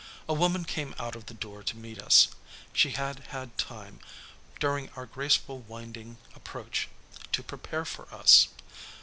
A woman came out of the door to meet us. She had had time during our graceful winding approach to prepare for us.